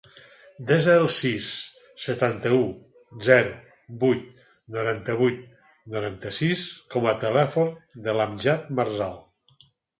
Desa el sis, setanta-u, zero, vuit, noranta-vuit, noranta-sis com a telèfon de l'Amjad Marzal.